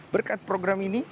berkat program ini